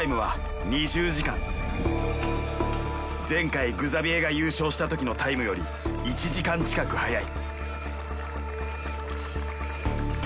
前回グザビエが優勝した時のタイムより１時間近く速い。